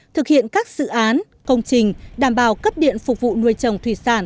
thực hiện các dự án công trình đảm bảo cấp điện phục vụ nuôi trồng thủy sản